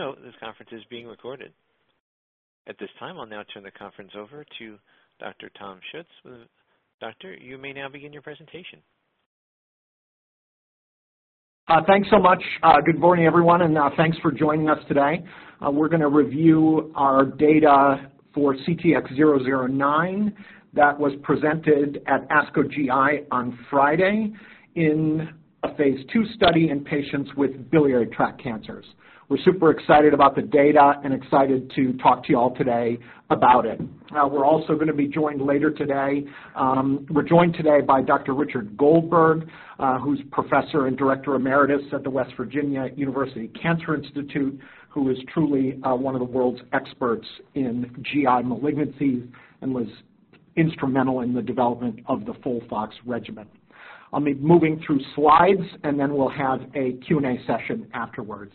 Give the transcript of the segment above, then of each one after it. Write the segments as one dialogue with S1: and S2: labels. S1: Please note this conference is being recorded. At this time, I'll now turn the conference over to Dr. Thomas Schuetz. Doctor, you may now begin your presentation.
S2: Thanks so much. Good morning, everyone, thanks for joining us today. We're gonna review our data for CTX-009 that was presented at ASCO GI on Friday in a phase II study in patients with biliary tract cancers. We're super excited about the data and excited to talk to you all today about it. We're also gonna be joined later today. We're joined today by Dr. Richard Goldberg, who's Professor and Director Emeritus at the West Virginia University Cancer Institute, who is truly one of the world's experts in GI malignancies and was instrumental in the development of the FOLFOX regimen. I'll be moving through slides. We'll have a Q&A session afterwards.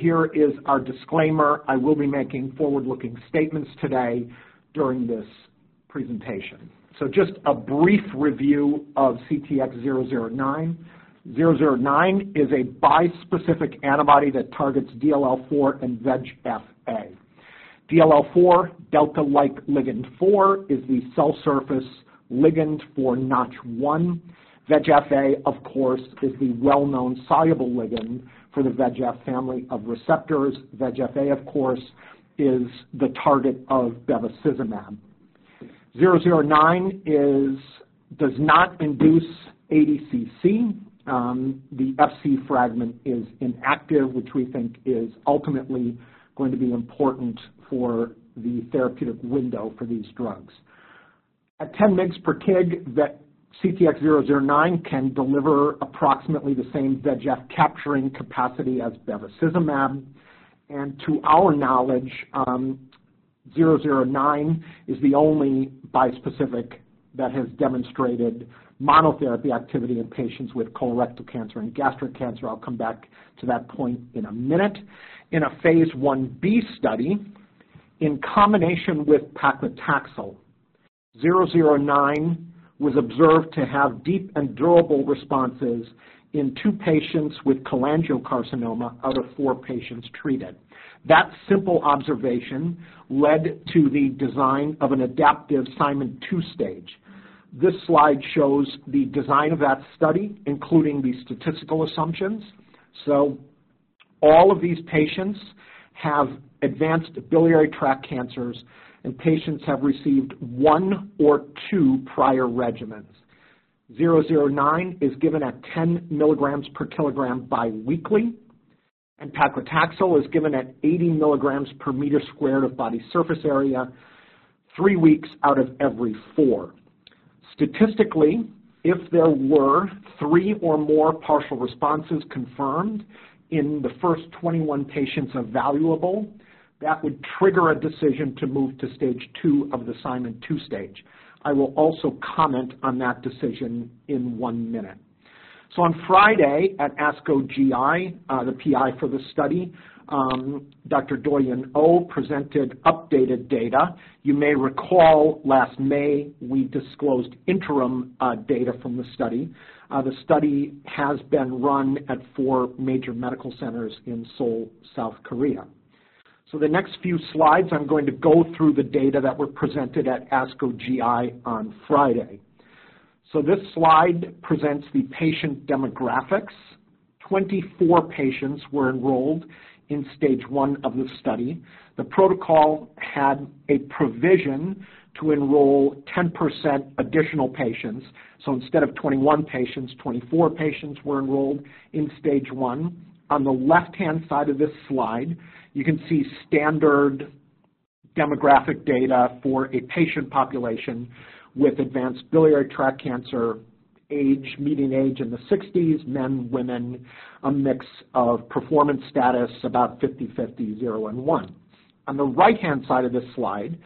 S2: Here is our disclaimer. I will be making forward-looking statements today during this presentation. Just a brief review of CTX-009. CTX-009 is a bispecific antibody that targets DLL4 and VEGF-A. DLL4, Delta-like ligand 4, is the cell surface ligand for Notch1. VEGF-A, of course, is the well-known soluble ligand for the VEGF family of receptors. VEGF-A, of course, is the target of bevacizumab. CTX-009 does not induce ADCC. The Fc fragment is inactive, which we think is ultimately going to be important for the therapeutic window for these drugs. At 10 mgs per kg, that CTX-009 can deliver approximately the same VEGF capturing capacity as bevacizumab. To our knowledge, CTX-009 is the only bispecific that has demonstrated monotherapy activity in patients with colorectal cancer and gastric cancer. I'll come back to that point in a minute. In a phase I-B study, in combination with paclitaxel, CTX-009 was observed to have deep and durable responses in two patients with cholangiocarcinoma out of four patients treated. That simple observation led to the design of an adaptive Simon's two-stage. This slide shows the design of that study, including the statistical assumptions. All of these patients have advanced biliary tract cancers, and patients have received 1 or 2 prior regimens. CTX-009 is given at 10 milligrams per kilogram bi-weekly, and paclitaxel is given at 80 milligrams per meter squared of body surface area three weeks out of every four. Statistically, if there were three or more partial responses confirmed in the first 21 patients evaluable, that would trigger a decision to move to stage 2 of the Simon Two-Stage. I will also comment on that decision in 1 minute. On Friday at ASCO GI, the PI for the study, Dr. Do-Youn Oh, presented updated data. You may recall last May we disclosed interim data from the study. The study has been run at four major medical centers in Seoul, South Korea. The next few slides, I'm going to go through the data that were presented at ASCO GI on Friday. This slide presents the patient demographics. 24 patients were enrolled in stage 1 of the study. The protocol had a provision to enroll 10% additional patients. Instead of 21 patients, 24 patients were enrolled in stage 1. On the left-hand side of this slide, you can see standard demographic data for a patient population with advanced biliary tract cancer, median age in the 60s, men, women, a mix of performance status about 50/50, 0 and 1. On the right-hand side of this slide,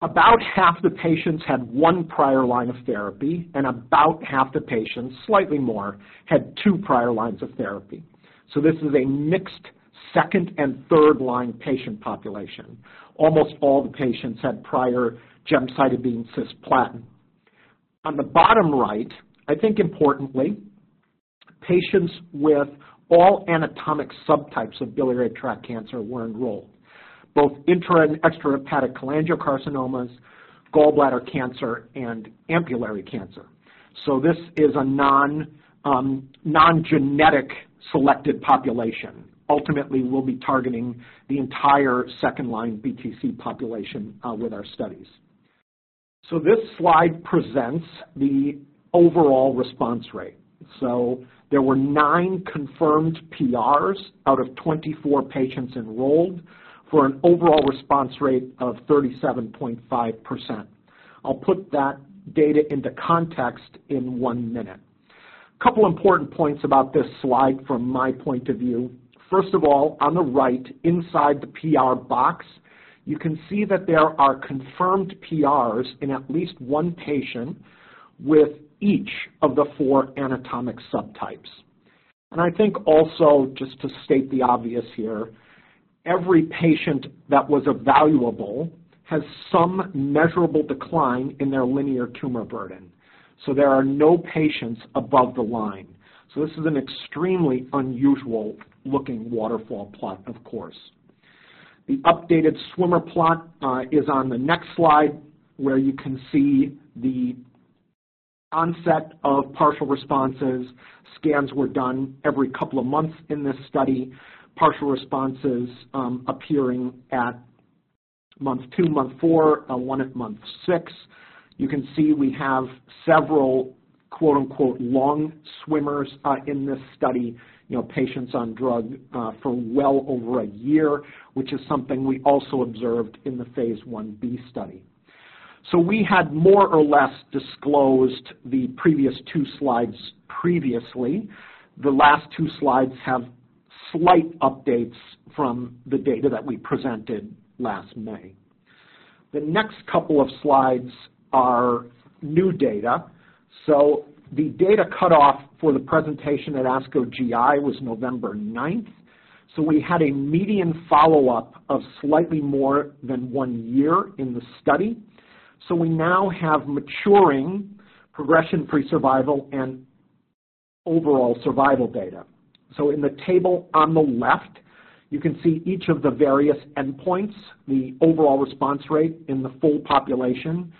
S2: about half the patients had one prior line of therapy, and about half the patients, slightly more, had two prior lines of therapy. This is a mixed second and third-line patient population. Almost all the patients had prior gemcitabine plus cisplatin. On the bottom right, I think importantly, patients with all anatomic subtypes of biliary tract cancer were enrolled, both intra- and extrahepatic cholangiocarcinomas, gallbladder cancer, and ampullary cancer. This is a non non-genetic selected population. Ultimately, we'll be targeting the entire second-line BTC population with our studies. This slide presents the overall response rate. There were nine confirmed PRs out of 24 patients enrolled for an overall response rate of 37.5%. I'll put that data into context in 1 minute. Couple important points about this slide from my point of view. First of all, on the right inside the PR box, you can see that there are confirmed PRs in at least one patient with each of the four anatomic subtypes. I think also, just to state the obvious here. Every patient that was evaluable has some measurable decline in their linear tumor burden. There are no patients above the line. This is an extremely unusual looking waterfall plot, of course. The updated swimmer plot is on the next slide, where you can see the onset of partial responses. Scans were done every couple of months in this study. Partial responses, appearing at month 2, month 4, and 1 at month 6. You can see we have several quote-unquote long swimmers, in this study, you know, patients on drug, for well over a year, which is something we also observed in the phase I-B study. We had more or less disclosed the previous two slides previously. The last two slides have slight updates from the data that we presented last May. The next couple of slides are new data. The data cut off for the presentation at ASCO GI was November 9th. We had a median follow-up of slightly more than one year in the study. We now have maturing progression-free survival and overall survival data. In the table on the left, you can see each of the various endpoints. The overall response rate in the full population,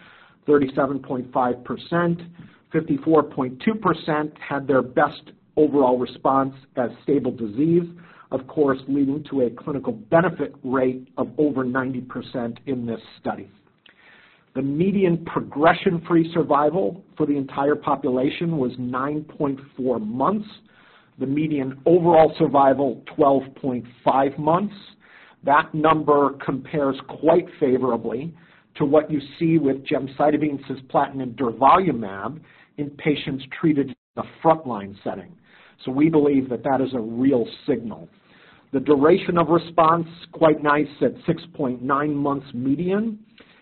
S2: 37.5%. 54.2% had their best overall response as stable disease, of course, leading to a clinical benefit rate of over 90% in this study. The median progression-free survival for the entire population was 9.4 months. The median overall survival, 12.5 months. That number compares quite favorably to what you see with gemcitabine, cisplatin, and durvalumab in patients treated in the front line setting. We believe that that is a real signal. The duration of response, quite nice at 6.9 months median.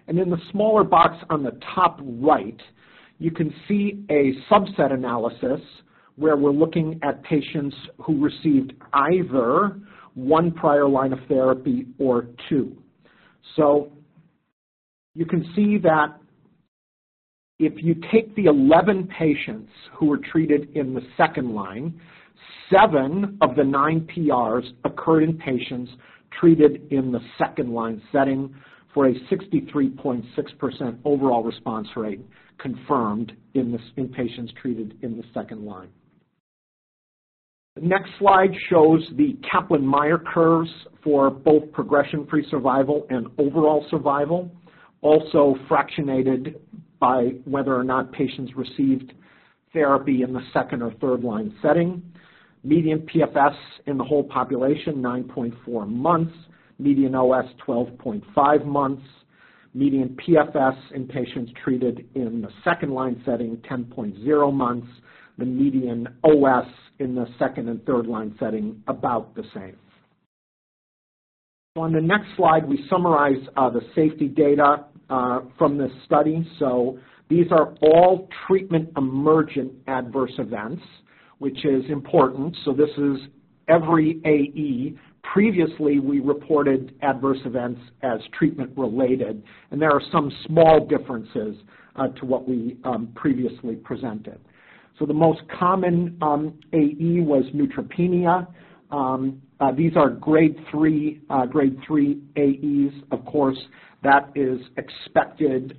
S2: In the smaller box on the top right, you can see a subset analysis where we're looking at patients who received either one prior line of therapy or two. You can see that if you take the 11 patients who were treated in the second line, seven of the nine PRs occurred in patients treated in the second-line setting for a 63.6% overall response rate confirmed in patients treated in the second line. The next slide shows the Kaplan-Meier curves for both progression-free survival and overall survival, also fractionated by whether or not patients received therapy in the second or third line setting. Median PFS in the whole population, 9.4 months. Median OS, 12.5 months. Median PFS in patients treated in the second line setting, 10.0 months. The median OS in the second and third line setting, about the same. On the next slide, we summarize the safety data from this study. These are all treatment-emergent adverse events, which is important. This is every AE. Previously, we reported adverse events as treatment related, and there are some small differences to what we previously presented. The most common AE was neutropenia. These are Grade 3 AEs. Of course, that is expected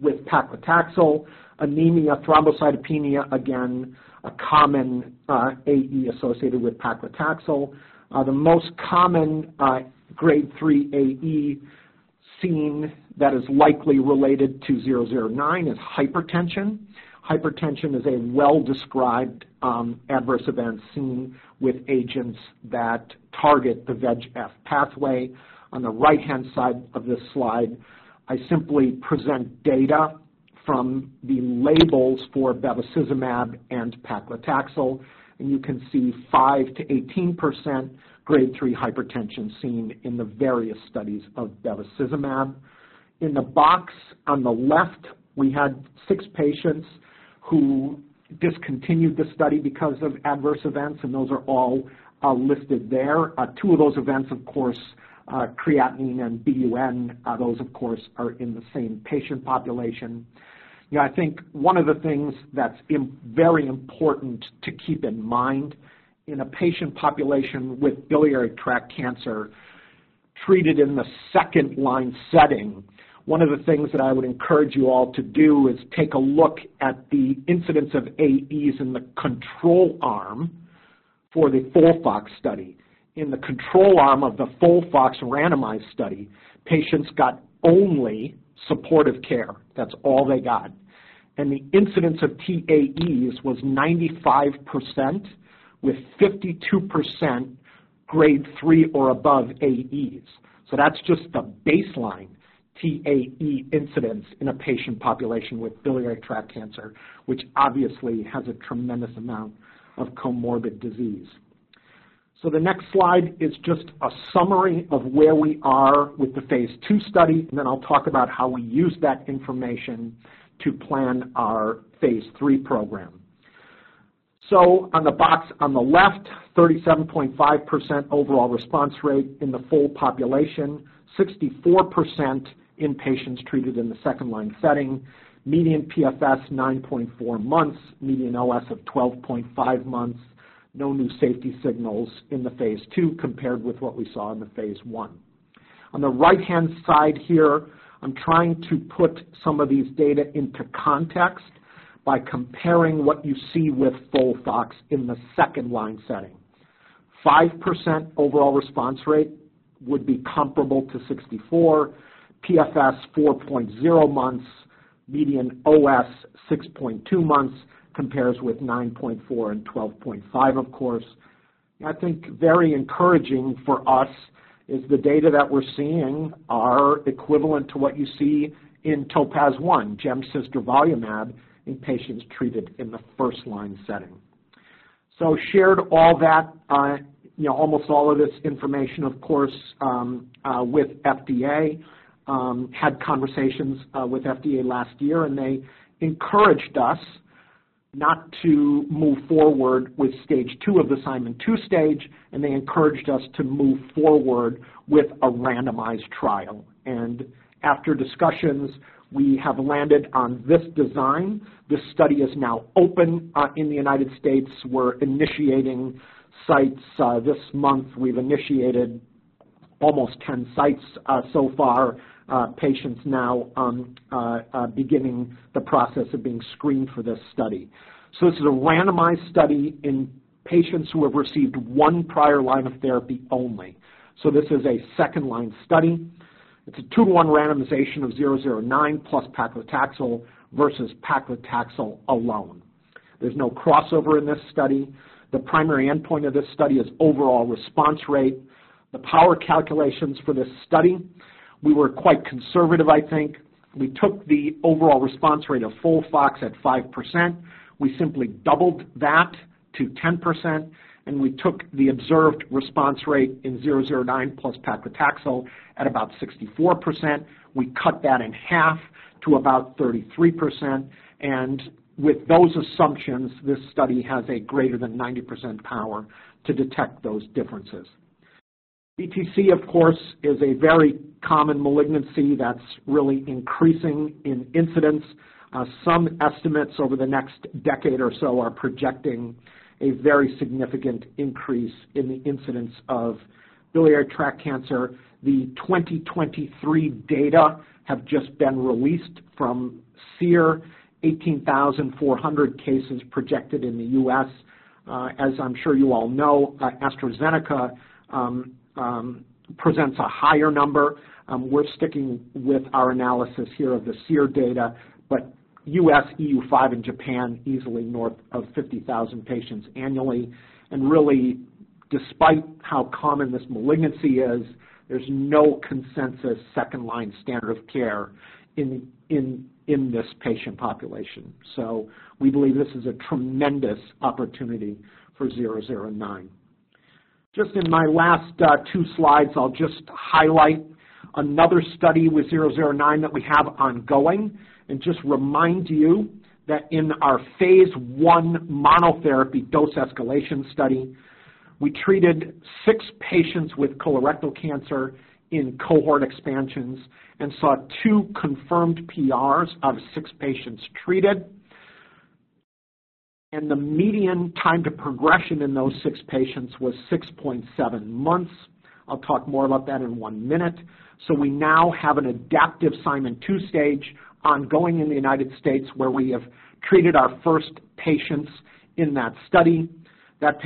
S2: with paclitaxel. Anemia, thrombocytopenia, again, a common AE associated with paclitaxel. The most common Grade 3 AE seen that is likely related to 009 is hypertension. Hypertension is a well-described adverse event seen with agents that target the VEGF pathway. On the right-hand side of this slide, I simply present data from the labels for bevacizumab and paclitaxel. You can see 5%-18% Grade 3 hypertension seen in the various studies of bevacizumab. In the box on the left, we had six patients who discontinued the study because of adverse events, and those are all listed there. Two of those events, of course, creatinine and BUN, those of course are in the same patient population. You know, I think one of the things that's very important to keep in mind in a patient population with biliary tract cancer treated in the second line setting, one of the things that I would encourage you all to do is take a look at the incidence of AEs in the control arm for the FOLFOX study. In the control arm of the FOLFOX randomized study, patients got only supportive care. That's all they got. The incidence of TAEs was 95%, with 52% Grade 3 or above AEs. That's just the baseline TAE incidence in a patient population with biliary tract cancer, which obviously has a tremendous amount of comorbid disease. The next slide is just a summary of where we are with the phase II study, and then I'll talk about how we use that information to plan our phase III program. On the box on the left, 37.5% overall response rate in the full population, 64% in patients treated in the second-line setting, median PFS 9.4 months, median OS of 12.5 months. No new safety signals in the phase II compared with what we saw in the phase I. On the right-hand side here, I'm trying to put some of these data into context by comparing what you see with FOLFOX in the second-line setting. 5% overall response rate would be comparable to 64, PFS 4.0 months, median OS 6.2 months compares with 9.4 and 12.5, of course. I think very encouraging for us is the data that we're seeing are equivalent to what you see in TOPAZ-1, Gem/Cis/Durvalumab in patients treated in the first-line setting. Shared all that, you know, almost all of this information, of course, with FDA. Had conversations with FDA last year, and they encouraged us not to move forward with stage 2 of the Simon Two-Stage, and they encouraged us to move forward with a randomized trial. After discussions, we have landed on this design. This study is now open in the United States. We're initiating sites this month. We've initiated almost 10 sites, so far, patients now beginning the process of being screened for this study. This is a randomized study in patients who have received one prior line of therapy only. This is a second-line study. It's a 2-to-1 randomization of CTX-009 plus paclitaxel versus paclitaxel alone. There's no crossover in this study. The primary endpoint of this study is overall response rate. The power calculations for this study, we were quite conservative, I think. We took the overall response rate of FOLFOX at 5%. We simply doubled that to 10%, and we took the observed response rate in CTX-009 plus paclitaxel at about 64%. We cut that in half to about 33%. With those assumptions, this study has a greater than 90% power to detect those differences. BTC, of course, is a very common malignancy that's really increasing in incidence. Some estimates over the next decade or so are projecting a very significant increase in the incidence of biliary tract cancer. The 2023 data have just been released from SEER, 18,400 cases projected in the U.S. As I'm sure you all know, AstraZeneca presents a higher number. We're sticking with our analysis here of the SEER data, but U.S., EU5, and Japan easily north of 50,000 patients annually. Really, despite how common this malignancy is, there's no consensus second-line standard of care in this patient population. We believe this is a tremendous opportunity for CTX-009. Just in my last, two slides, I'll just highlight another study with CTX-009 that we have ongoing and just remind you that in our phase I monotherapy dose escalation study, we treated six patients with colorectal cancer in cohort expansions and saw two confirmed PRs out of six patients treated. The median time to progression in those six patients was 6.7 months. I'll talk more about that in 1 minute. We now have an adaptive Simon's two-stage ongoing in the United States, where we have treated our first patients in that study. That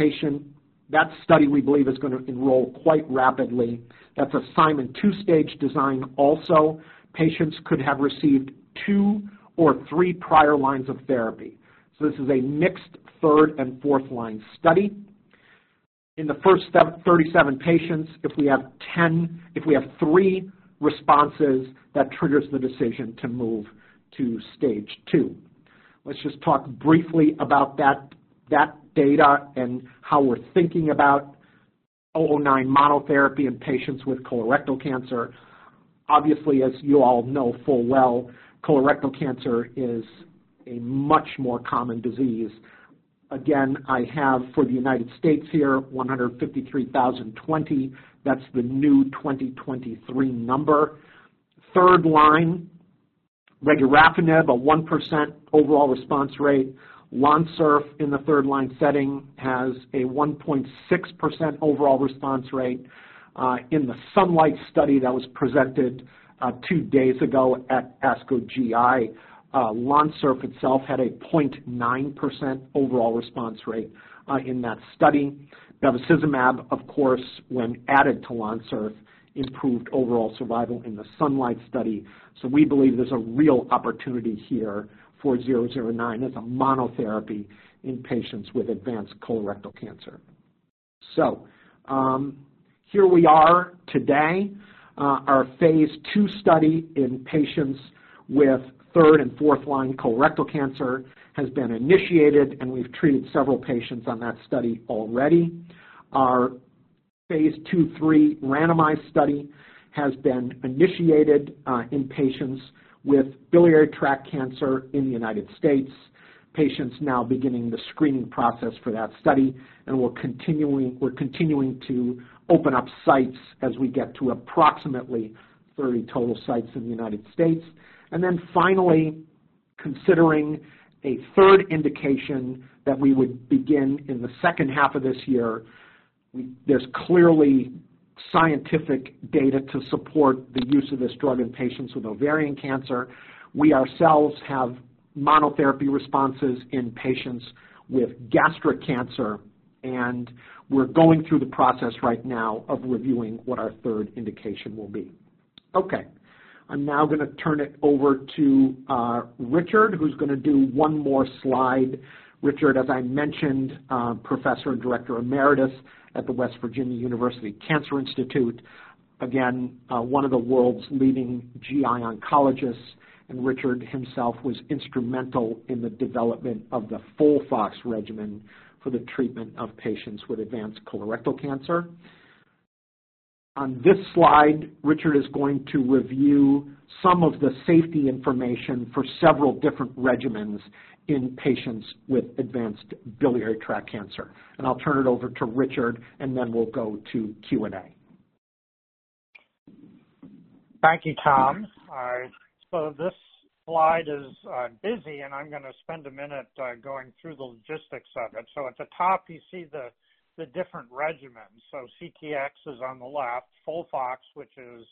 S2: study, we believe, is gonna enroll quite rapidly. That's a Simon Two-Stage design also. Patients could have received two or three prior lines of therapy. This is a mixed third and fourth line study. In the first 37 patients, if we have thee responses, that triggers the decision to move to stage 2. Let's just talk briefly about that data and how we're thinking about 009 monotherapy in patients with colorectal cancer. Obviously, as you all know full well, colorectal cancer is a much more common disease. Again, I have for the United States here, 153,020. That's the new 2023 number. Third line, regorafenib, a 1% overall response rate. Lonsurf in the third line setting has a 1.6% overall response rate. In the SUNLIGHT study that was presented two days ago at ASCO GI, lonsurf itself had a 0.9% overall response rate in that study. Now the bevacizumab, of course, when added to lonsurf, improved overall survival in the SUNLIGHT study. We believe there's a real opportunity here for CTX-009 as a monotherapy in patients with advanced colorectal cancer. Here we are today. Our phase II study in patients with 3rd and 4th line colorectal cancer has been initiated, and we've treated several patients on that study already. Our phase II/III randomized study has been initiated in patients with biliary tract cancer in the United States. Patients now beginning the screening process for that study, and we're continuing to open up sites as we get to approximately 30 total sites in the United States. Finally, considering a 3rd indication that we would begin in the second half of this year. There's clearly scientific data to support the use of this drug in patients with ovarian cancer. We ourselves have monotherapy responses in patients with gastric cancer, and we're going through the process right now of reviewing what our third indication will be. Okay. I'm now gonna turn it over to Richard, who's gonna do one more slide. Richard, as I mentioned, Professor and Director Emeritus at the West Virginia University Cancer Institute. Again, one of the world's leading GI oncologists. Richard himself was instrumental in the development of the FOLFOX regimen for the treatment of patients with advanced colorectal cancer. On this slide, Richard is going to review some of the safety information for several different regimens in patients with advanced biliary tract cancer. I'll turn it over to Richard, then we'll go to Q&A.
S3: Thank you, Tom. All right. This slide is busy, and I'm gonna spend 1 minute going through the logistics of it. At the top you see the different regimens. CTX is on the left, FOLFOX, which is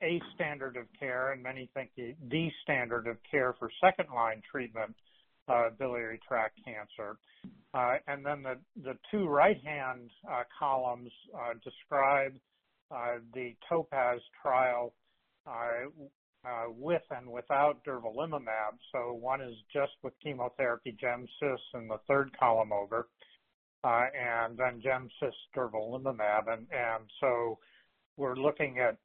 S3: a standard of care, and many think the standard of care for 2nd-line treatment, biliary tract cancer. Then the two right hand columns describe the TOPAZ trial with and without durvalumab. One is just with chemotherapy Gem/Cis in the 3rd column over, and then Gem/Cis durvalumab. We're looking at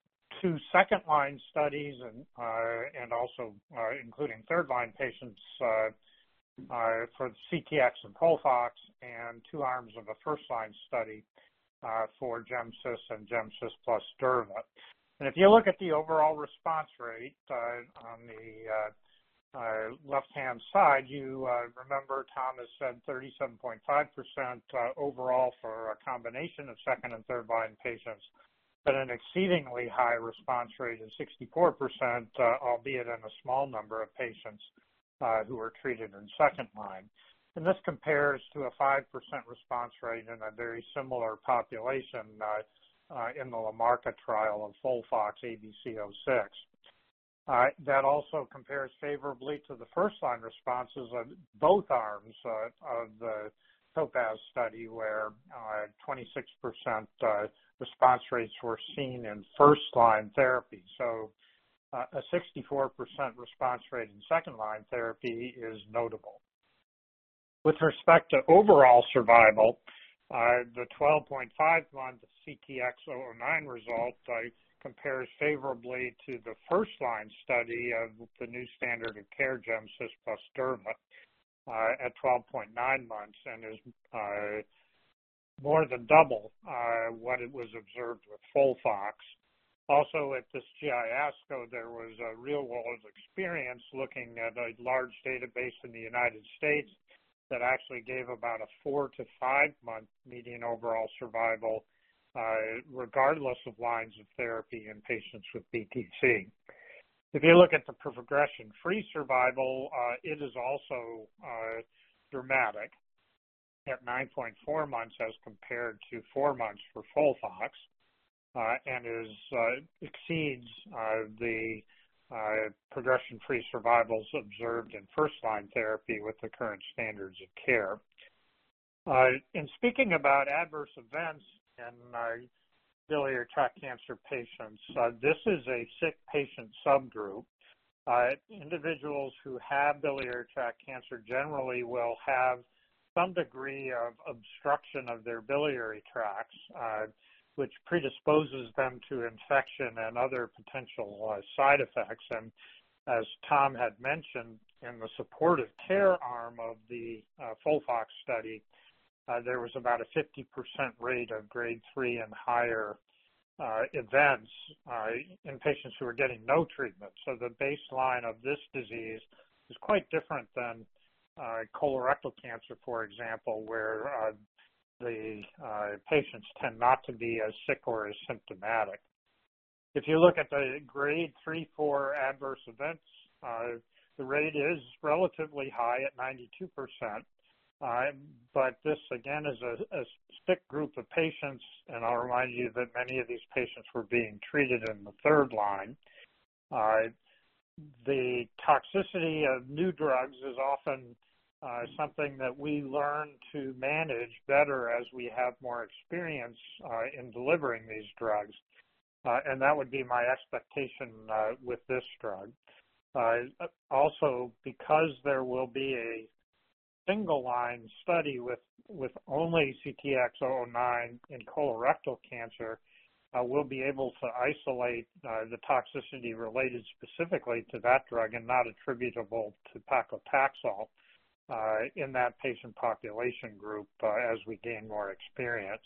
S3: two 2nd-line studies and also including 3rd-line patients for CTX and FOLFOX, and two arms of a 1st-line study for Gem/Cis and Gem/Cis + Durv. If you look at the overall response rate, on the left-hand side, you remember Tom has said 37.5% overall for a combination of second and third line patients, but an exceedingly high response rate of 64%, albeit in a small number of patients, who were treated in second line. This compares to a 5% response rate in a very similar population, in the Lamarca trial of FOLFOX ABC-06. That also compares favorably to the first line responses of both arms, of the TOPAZ study, where 26% response rates were seen in first line therapy. A 64% response rate in second line therapy is notable. With respect to overall survival, the 12.5 month CTX-009 result compares favorably to the first line study of the new standard of care Gem/Cis + Durv, at 12.9 months and is more than double what it was observed with FOLFOX. Also, at this ASCO GI, there was a real world experience looking at a large database in the United States that actually gave about a four to five month median overall survival, regardless of lines of therapy in patients with BTC. If you look at the progression-free survival, it is also dramatic at 9.4 months as compared to four months for FOLFOX, and exceeds the progression-free survivals observed in first line therapy with the current standards of care. In speaking about adverse events in our biliary tract cancer patients, this is a sick patient subgroup. Individuals who have biliary tract cancer generally will have some degree of obstruction of their biliary tracts, which predisposes them to infection and other potential side effects. As Tom had mentioned in the supportive care arm of the FOLFOX study, there was about a 50% rate of Grade 3 and higher events in patients who were getting no treatment. The baseline of this disease is quite different than colorectal cancer, for example, where the patients tend not to be as sick or as symptomatic. If you look at the Grade 3-4 adverse events, the rate is relatively high at 92%. This again is a sick group of patients, and I'll remind you that many of these patients were being treated in the third line. The toxicity of new drugs is often something that we learn to manage better as we have more experience in delivering these drugs. That would be my expectation with this drug. Because there will be a single line study with only CTX-009 in colorectal cancer, we'll be able to isolate the toxicity related specifically to that drug and not attributable to paclitaxel in that patient population group as we gain more experience.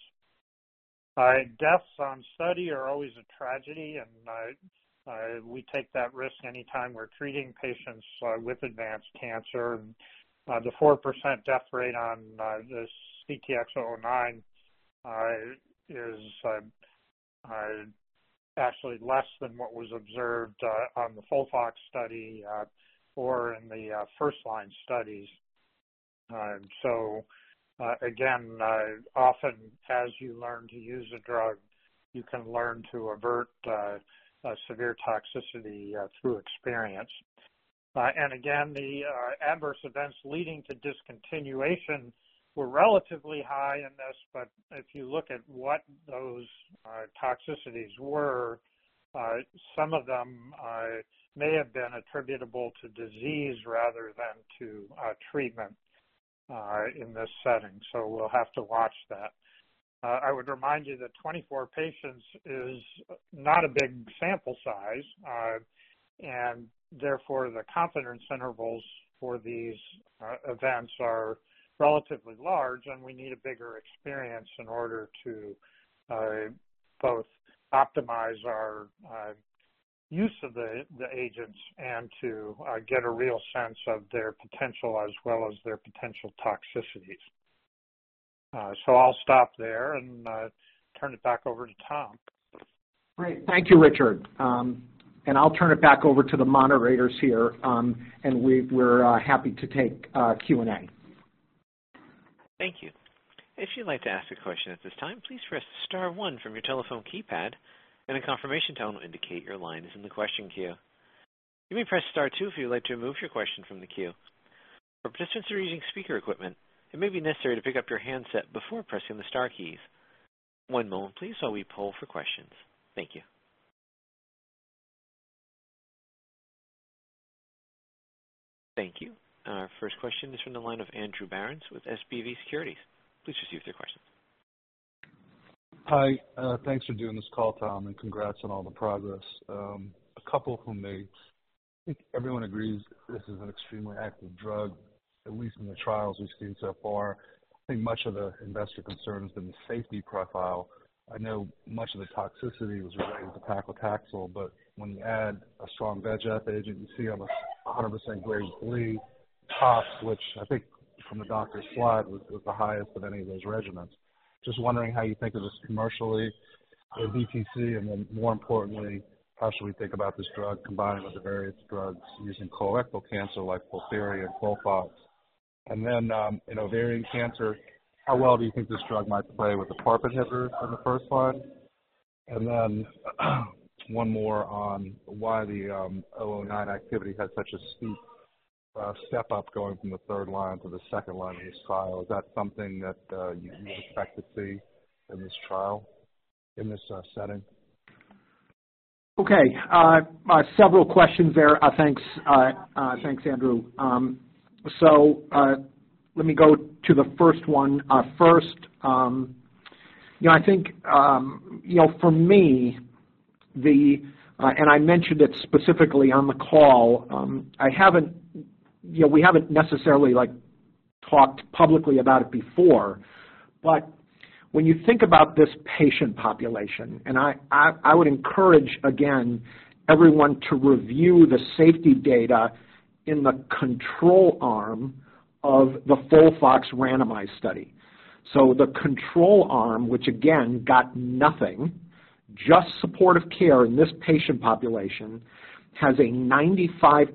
S3: Deaths on study are always a tragedy, and we take that risk any time we're treating patients with advanced cancer. The 4% death rate on this CTX-009 is actually less than what was observed on the FOLFOX study or in the first line studies. Again, often as you learn to use a drug, you can learn to avert a severe toxicity through experience. And again, the Adverse Events leading to discontinuation were relatively high in this, but if you look at what those toxicities were, some of them may have been attributable to disease rather than to treatment in this setting. We'll have to watch that. I would remind you that 24 patients is not a big sample size, and therefore, the confidence intervals for these events are relatively large, and we need a bigger experience in order to both optimize our use of the agents and to get a real sense of their potential as well as their potential toxicities. I'll stop there and turn it back over to Tom.
S2: Great. Thank you, Richard. I'll turn it back over to the moderators here, and we're happy to take Q&A.
S1: Thank you. If you'd like to ask a question at this time, please press star one from your telephone keypad, and a confirmation tone will indicate your line is in the question queue. You may press star two if you'd like to remove your question from the queue. For participants who are using speaker equipment, it may be necessary to pick up your handset before pressing the star keys. One moment please while we poll for questions. Thank you. Thank you. Our first question is from the line of Andrew Berens with SVB Securities. Please proceed with your question.
S4: Hi. Thanks for doing this call, Tom, and congrats on all the progress. A couple for me. I think everyone agrees this is an extremely active drug, at least in the trials we've seen so far. I think much of the investor concern has been the safety profile. I know much of the toxicity was related to paclitaxel, but when you add a strong VEGF agent, you see almost 100% Grade 3 tops, which I think from the doctor's slide was the highest of any of those regimens. Just wondering how you think of this commercially with BTC, and then more importantly, how should we think about this drug combined with the various drugs used in colorectal cancer like FOLFIRI and FOLFOX? In ovarian cancer, how well do you think this drug might play with the PARP inhibitor in the first line? One more on why the CTX-009 activity had such a steep step-up going from the third line to the second line in this trial. Is that something that you would expect to see in this trial, in this setting?
S2: Okay. Several questions there. Thanks, Andrew. Let me go to the first one. First, you know, I think, you know, for me, the... And I mentioned it specifically on the call, I haven't, you know, we haven't necessarily, like, talked publicly about it before. When you think about this patient population, and I would encourage, again, everyone to review the safety data in the control arm of the FOLFOX randomized study. The control arm, which again got nothing, just supportive care in this patient population, has a 95%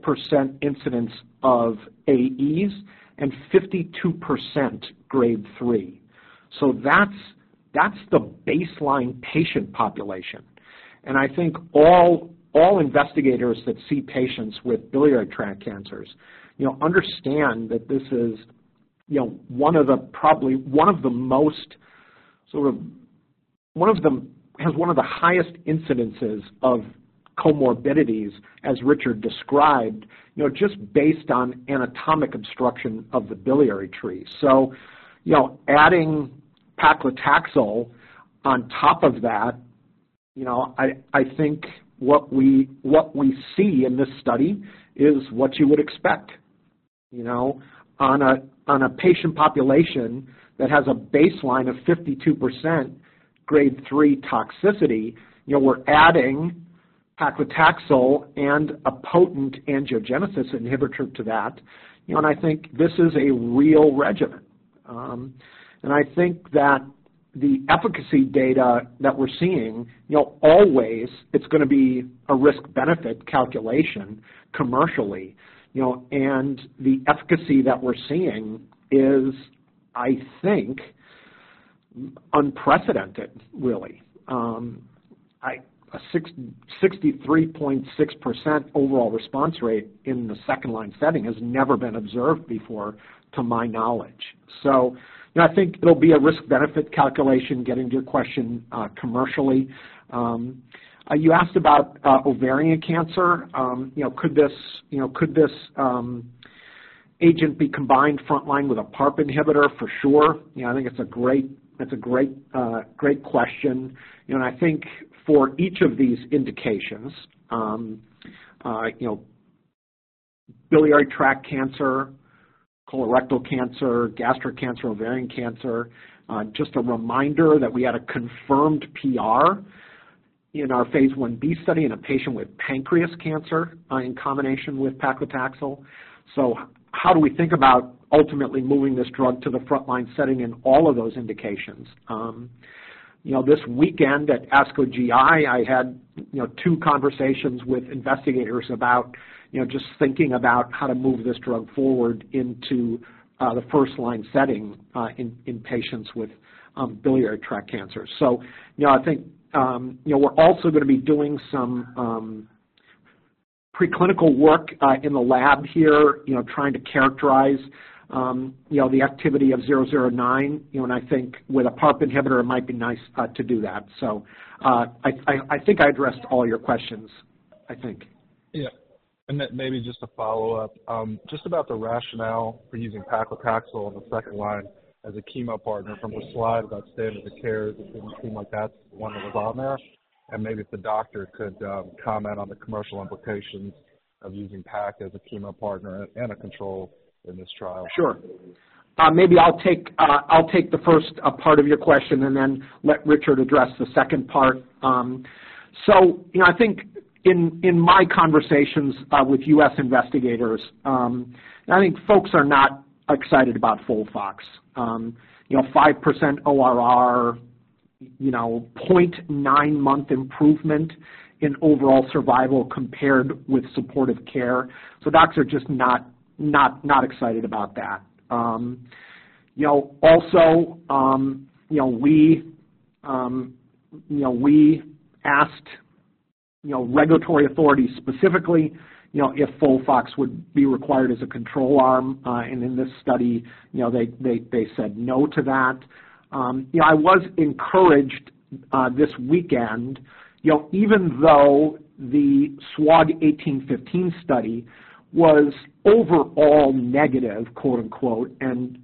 S2: incidence of AEs and 52% Grade 3. That's the baseline patient population. I think all investigators that see patients with biliary tract cancers, you know, understand that this is, you know, one of the highest incidences of comorbidities, as Richard described, you know, just based on anatomic obstruction of the biliary tree. Adding paclitaxel on top of that, you know, I think what we see in this study is what you would expect, you know. On a patient population that has a baseline of 52% Grade 3 toxicity, you know, we're adding paclitaxel and a potent angiogenesis inhibitor to that, you know, and I think this is a real regimen. I think that the efficacy data that we're seeing, you know, always it's gonna be a risk-benefit calculation commercially, you know. The efficacy that we're seeing is, I think, unprecedented really. A 63.6% overall response rate in the second line setting has never been observed before, to my knowledge. You know, I think it'll be a risk-benefit calculation, getting to your question, commercially. You asked about ovarian cancer. You know, could this, you know, could this agent be combined frontline with a PARP inhibitor? For sure. You know, I think it's a great question. You know, I think for each of these indications, you know, biliary tract cancer, colorectal cancer, gastric cancer, ovarian cancer. Just a reminder that we had a confirmed PR in our phase I-B study in a patient with pancreatic cancer, in combination with paclitaxel. How do we think about ultimately moving this drug to the frontline setting in all of those indications? you know, this weekend at ASCO GI, I had, you know, two conversations with investigators about, you know, just thinking about how to move this drug forward into the first line setting in patients with biliary tract cancer. you know, I think, you know, we're also gonna be doing some preclinical work in the lab here, you know, trying to characterize, you know, the activity of CTX-009, you know, and I think with a PARP inhibitor it might be nice to do that. I think I addressed all your questions, I think.
S4: Yeah. Maybe just a follow-up, just about the rationale for using paclitaxel in the second line as a chemo partner from the slide about standard of care, it didn't seem like that's the one that was on there. Maybe if the doctor could comment on the commercial implications of using pacli as a chemo partner and a control in this trial.
S2: Sure. Maybe I'll take the first part of your question and then let Richard address the second part. You know, I think in my conversations with U.S. investigators, I think folks are not excited about FOLFOX. You know, 5% ORR, you know, 0.9 month improvement in overall survival compared with supportive care. Docs are just not excited about that. You know, also, you know, we asked regulatory authorities specifically, you know, if FOLFOX would be required as a control arm, in this study, you know, they said no to that. You know, I was encouraged this weekend, you know, even though the SWOG S1815 study was overall negative, quote-unquote, and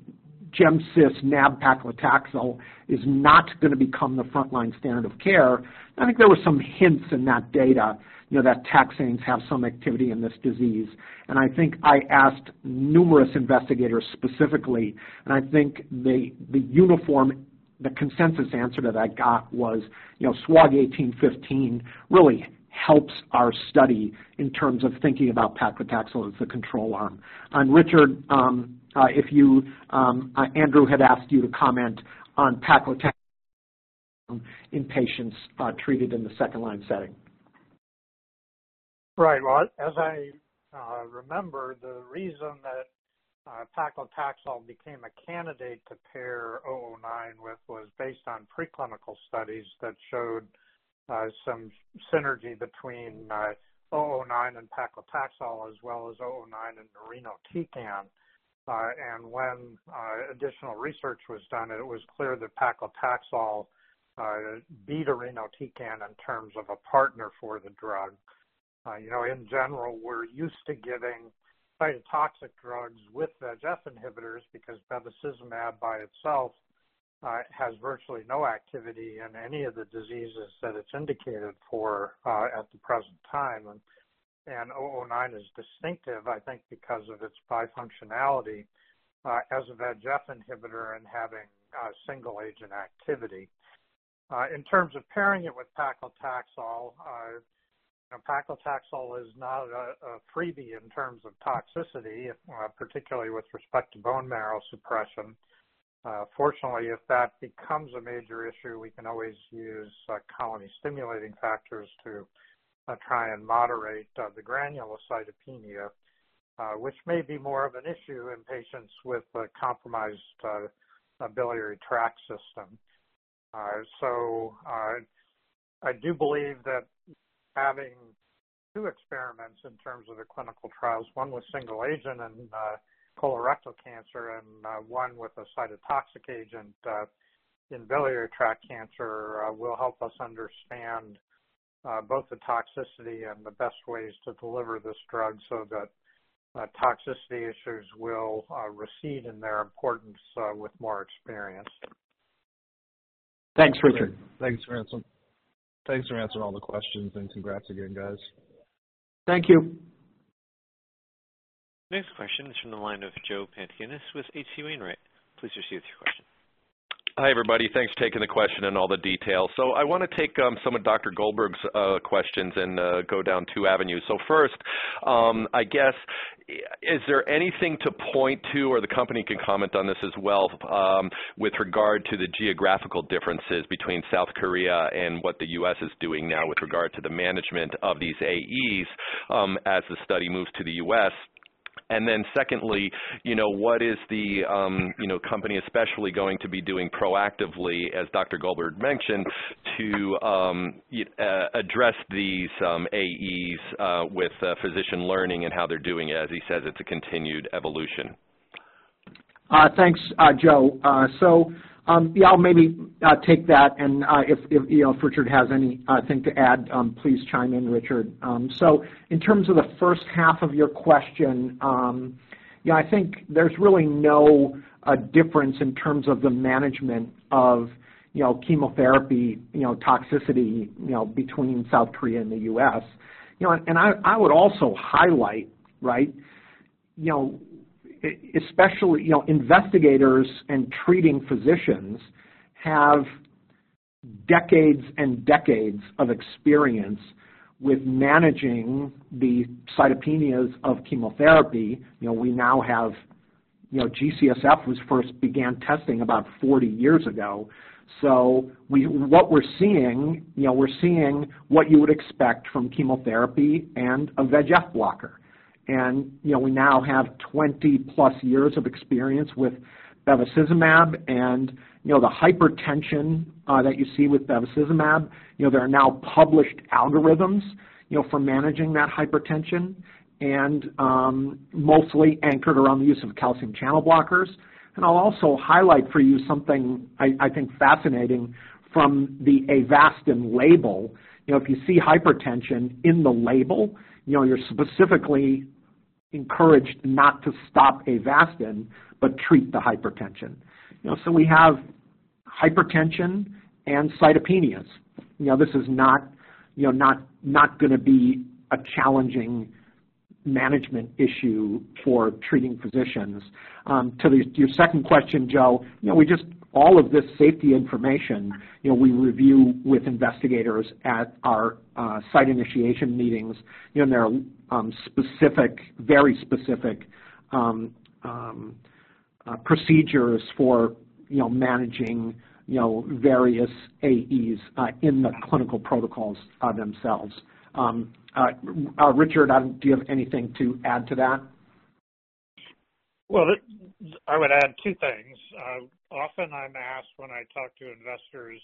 S2: gemcitabine paclitaxel is not gonna become the frontline standard of care. I think there were some hints in that data, you know, that taxanes have some activity in this disease. I think I asked numerous investigators specifically, and I think the uniform, the consensus answer that I got was, you know, SWOG S1815 really helps our study in terms of thinking about paclitaxel as a control arm. Richard, if you, Andrew had asked you to comment on paclitaxel in patients treated in the second line setting.
S3: Right. Well, as I remember, the reason that paclitaxel became a candidate to pair CTX-009 with was based on preclinical studies that showed some synergy between CTX-009 and paclitaxel as well as CTX-009 and irinotecan. When additional research was done, it was clear that paclitaxel beat irinotecan in terms of a partner for the drug. You know, in general, we're used to giving cytotoxic drugs with VEGF inhibitors because bevacizumab by itself has virtually no activity in any of the diseases that it's indicated for at the present time. CTX-009 is distinctive, I think, because of its bi-functionality as a VEGF inhibitor and having a single agent activity. In terms of pairing it with paclitaxel, you know, paclitaxel is not a freebie in terms of toxicity, particularly with respect to bone marrow suppression. Fortunately, if that becomes a major issue, we can always use colony-stimulating factors to try and moderate the granulocytopenia, which may be more of an issue in patients with a compromised biliary tract system. I do believe that having two experiments in terms of the clinical trials, one with single agent and colorectal cancer, and one with a cytotoxic agent in biliary tract cancer, will help us understand both the toxicity and the best ways to deliver this drug so that toxicity issues will recede in their importance with more experience.
S2: Thanks, Richard.
S4: Thanks for answering. Thanks for answering all the questions, and congrats again, guys.
S2: Thank you.
S1: Next question is from the line of Joseph Pantginis with H.C. Wainwright. Please proceed with your question.
S5: Hi, everybody. Thanks for taking the question and all the details. I wanna take some of Dr. Goldberg's questions and go down two avenues. First, I guess, is there anything to point to, or the company can comment on this as well, with regard to the geographical differences between South Korea and what the U.S. is doing now with regard to the management of these AEs, as the study moves to the U.S.? Secondly, you know, what is the, you know, company especially going to be doing proactively, as Dr. Goldberg mentioned, to address these AEs, with physician learning and how they're doing it, as he said it's a continued evolution.
S2: Thanks, Joe. Yeah, I'll maybe take that and if, you know, if Richard has anything to add, please chime in, Richard. In terms of the first half of your question, yeah, I think there's really no difference in terms of the management of, you know, chemotherapy, toxicity, you know, between South Korea and the U.S. I would also highlight, right? Especially, you know, investigators and treating physicians have decades and decades of experience with managing the cytopenias of chemotherapy. We now have, you know, GCSF was first began testing about 40 years ago. We're seeing, you know, we're seeing what you would expect from chemotherapy and a VEGF blocker. You know, we now have 20+ years of experience with bevacizumab and, you know, the hypertension that you see with bevacizumab, you know, there are now published algorithms, you know, for managing that hypertension and mostly anchored around the use of calcium channel blockers. I'll also highlight for you something I think fascinating from the Avastin label. You know, if you see hypertension in the label, you know, you're specifically encouraged not to stop Avastin, but treat the hypertension. You know, so we have hypertension and cytopenias. You know, this is not, you know, not gonna be a challenging management issue for treating physicians. To your second question, Joe, you know, all of this safety information, you know, we review with investigators at our site initiation meetings. You know, there are specific, very specific procedures for, you know, managing, you know, various AEs in the clinical protocols themselves. Richard, do you have anything to add to that?
S3: Well, I would add two things. Often I'm asked when I talk to investors,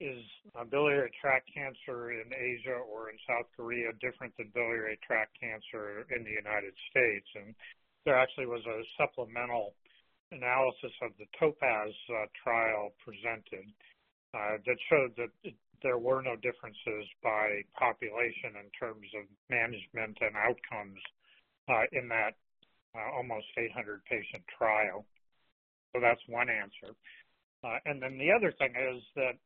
S3: is biliary tract cancer in Asia or in South Korea different than biliary tract cancer in the United States? There actually was a supplemental analysis of the TOPAZ trial presented that showed that there were no differences by population in terms of management and outcomes in that almost 800-patient trial. That's one answer. The other thing is that,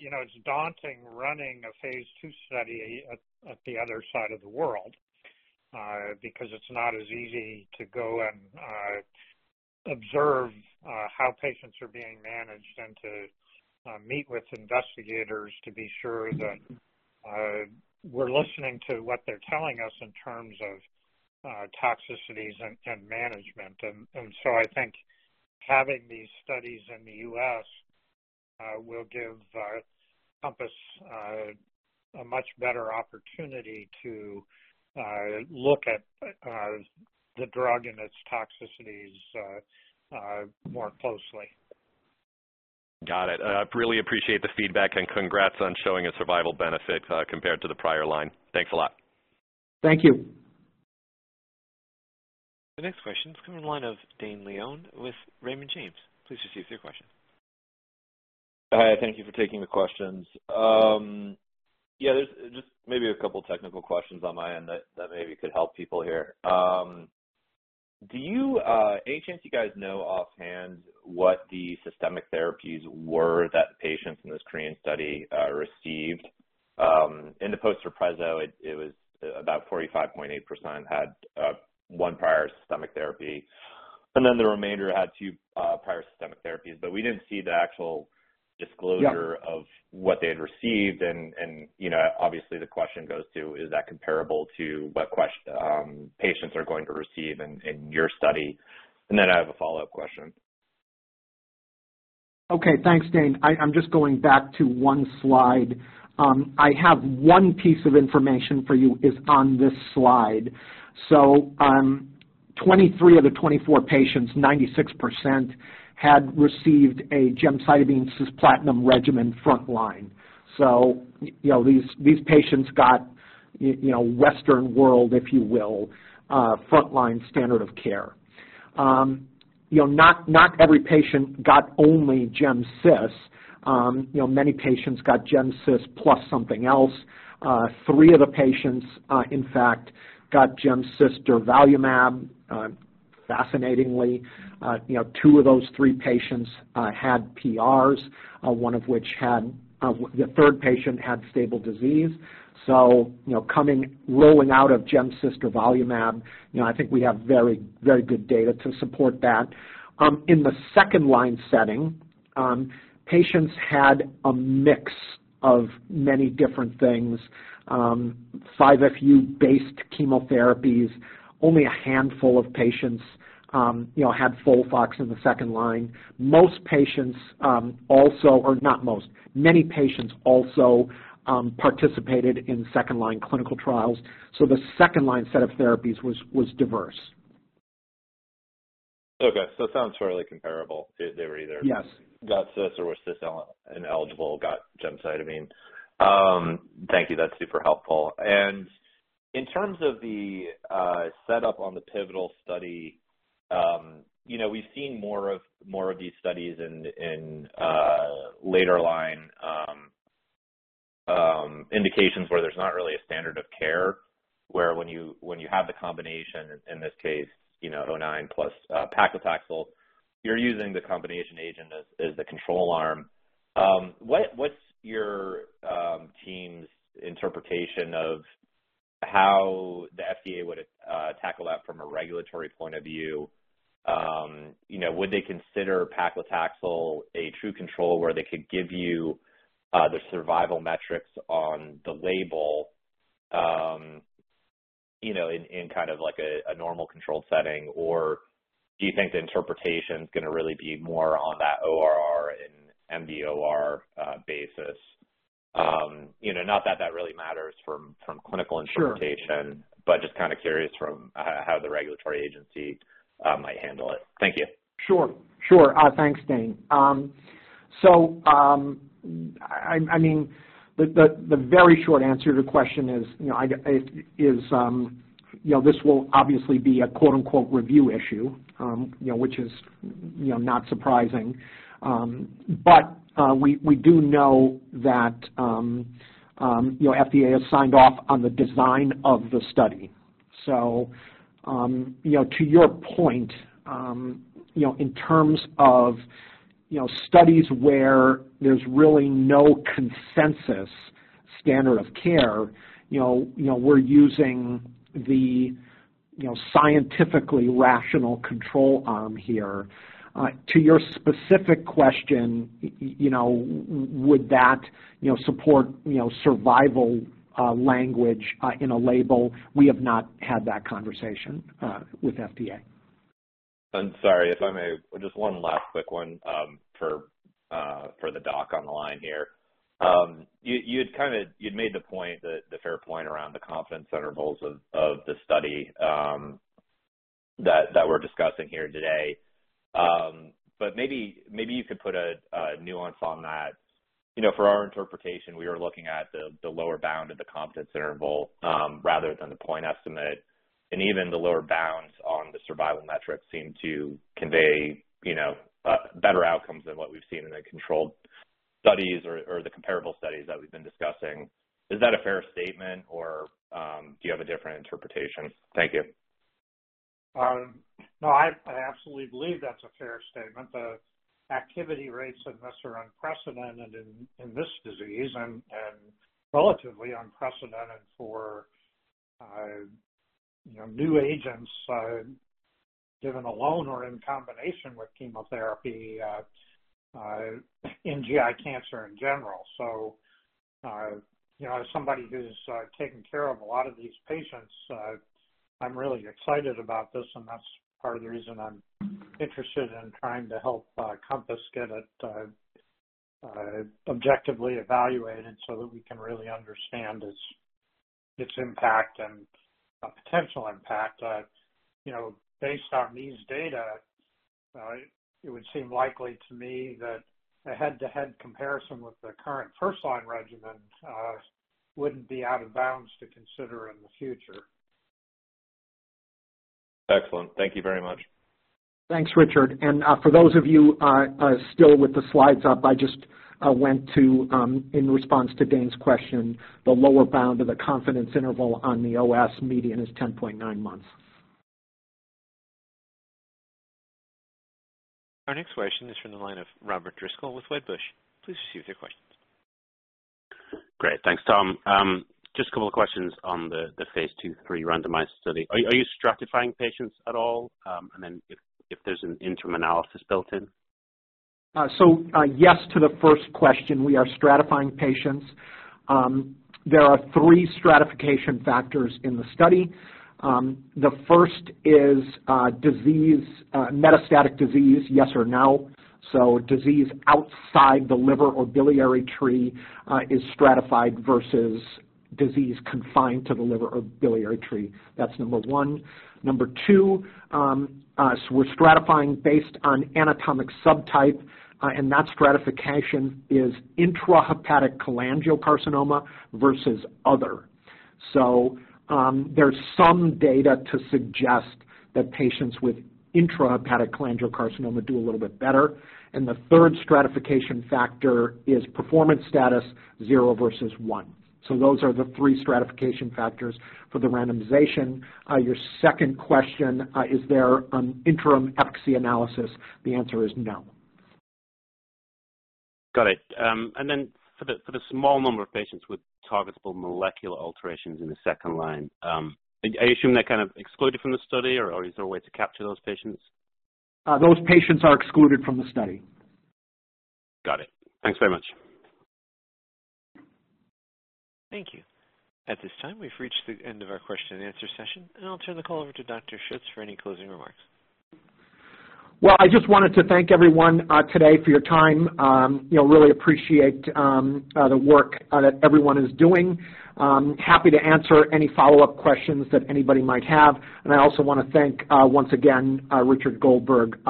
S3: you know, it's daunting running a phase II study at the other side of the world because it's not as easy to go and observe how patients are being managed and to meet with investigators to be sure that we're listening to what they're telling us in terms of toxicities and management. I think having these studies in the U.S. will give Compass a much better opportunity to look at the drug and its toxicities more closely.
S5: Got it. I really appreciate the feedback. Congrats on showing a survival benefit, compared to the prior line. Thanks a lot.
S2: Thank you.
S1: The next question is coming in the line of Dane Leone with Raymond James. Please proceed with your question.
S6: Hi, thank you for taking the questions. Yeah, there's just maybe a couple technical questions on my end that maybe could help people here. Do you any chance you guys know offhand what the systemic therapies were that the patients in this Korean study received? In the poster preso, it was about 45.8% had one prior systemic therapy, and then the remainder had two prior systemic therapies. We didn't see the actual disclosure of what they had received. you know, obviously the question goes to, is that comparable to what patients are going to receive in your study? Then I have a follow-up question.
S2: Okay. Thanks, Dane. I'm just going back to one slide. I have one piece of information for you is on this slide. 23 of the 24 patients, 96%, had received a gemcitabine cisplatin regimen frontline. You know, these patients got you know, Western world, if you will, frontline standard of care. You know, not every patient got only Gem/Cis. You know, many patients got Gem/Cis plus something else. Three of the patients, in fact, got Gem/Cis/Durvalumab. Fascinatingly, you know, two of those three patients had PRs, the 3rd patient had stable disease. You know, rolling out of Gem/Cis/Durvalumab, you know, I think we have very good data to support that. In the second-line setting, patients had a mix of many different things, 5-FU-based chemotherapies. Only a handful of patients, you know, had FOLFOX in the second line. Many patients also participated in second-line clinical trials. The second line set of therapies was diverse.
S6: Okay. It sounds fairly comparable. They were either.
S2: Yes.
S6: Got cis or were cis ineligible, got gemcitabine. Thank you. That's super helpful. In terms of the setup on the pivotal study, you know, we've seen more of these studies in later line indications where there's not really a standard of care, where when you have the combination, in this case, you know, 009 plus paclitaxel, you're using the combination agent as the control arm. What's your team's interpretation of how the FDA would tackle that from a regulatory point of view? You know, would they consider paclitaxel a true control where they could give you the survival metrics on the label, you know, in kind of like a normal controlled setting? Do you think the interpretation's gonna really be more on that ORR and mDOR basis? You know, not that that really matters from clinical interpretation.
S2: Sure.
S6: Just kind of curious from how the regulatory agency might handle it. Thank you.
S2: Sure. Sure. Thanks, Dane. I mean, the, the very short answer to the question is, you know, this will obviously be a quote unquote "review issue," you know, which is, you know, not surprising. We do know that, you know, FDA has signed off on the design of the study. To your point, you know, in terms of, you know, studies where there's really no consensus standard of care, you know, we're using the, you know, scientifically rational control arm here. To your specific question, you know, would that, you know, support, you know, survival, language, in a label? We have not had that conversation with FDA.
S6: I'm sorry, if I may, just one last quick one, for the doctor on the line here. You, you'd made the point that, the fair point around the confidence intervals of the study that we're discussing here today. Maybe you could put a nuance on that. You know, for our interpretation, we are looking at the lower bound of the confidence interval rather than the point estimate. Even the lower bounds on the survival metrics seem to convey, you know, better outcomes than what we've seen in the controlled studies or the comparable studies that we've been discussing. Is that a fair statement or do you have a different interpretation? Thank you.
S3: No, I absolutely believe that's a fair statement. The activity rates of this are unprecedented in this disease and relatively unprecedented for, you know, new agents given alone or in combination with chemotherapy in GI cancer in general. You know, as somebody who's taken care of a lot of these patients, I'm really excited about this, and that's part of the reason I'm interested in trying to help Compass get it objectively evaluated so that we can really understand its impact and potential impact. You know, based on these data, it would seem likely to me that a head-to-head comparison with the current first-line regimen wouldn't be out of bounds to consider in the future.
S6: Excellent. Thank you very much.
S2: Thanks, Richard. For those of you still with the slides up, I just went to in response to Dane's question, the lower bound of the confidence interval on the OS median is 10.9 months.
S1: Our next question is from the line of Robert Driscoll with Wedbush. Please proceed with your question.
S7: Great. Thanks, Tom. Just a couple of questions on the phase II/III randomized study. Are you stratifying patients at all? If there's an interim analysis built in?
S2: Yes, to the first question, we are stratifying patients. There are three stratification factors in the study. The first is metastatic disease, yes or no. Disease outside the liver or biliary tree is stratified versus disease confined to the liver or biliary tree. That's number one. Number two, we're stratifying based on anatomic subtype, and that stratification is intrahepatic cholangiocarcinoma versus other. There's some data to suggest that patients with intrahepatic cholangiocarcinoma do a little bit better. The third stratification factor is performance status 0 versus 1. Those are the three stratification factors for the randomization. Your second question, is there an interim efficacy analysis? The answer is no.
S7: Got it. Then for the small number of patients with targetable molecular alterations in the second line, are you assuming they're kind of excluded from the study or is there a way to capture those patients?
S2: Those patients are excluded from the study.
S7: Got it. Thanks very much.
S1: Thank you. At this time, we've reached the end of our question and answer session. I'll turn the call over to Dr. Schuetz for any closing remarks.
S2: Well, I just wanted to thank everyone, today for your time. You know, really appreciate the work that everyone is doing. Happy to answer any follow-up questions that anybody might have. I also wanna thank once again Richard Goldberg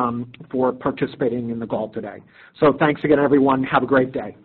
S2: for participating in the call today. Thanks again, everyone. Have a great day.